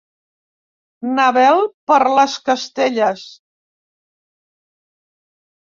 Na Bel per les Castelles.